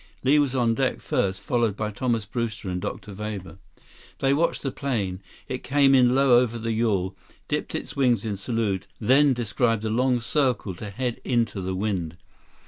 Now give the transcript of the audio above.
Li was on deck first, followed by Thomas Brewster and Dr. Weber. 171 They watched the plane. It came in low over the yawl, dipped its wings in salute, then described a long circle to head into the wind.